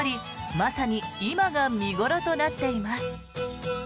まさに今が見頃となっています。